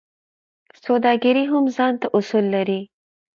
سوداګري هم ځانته اصول لري.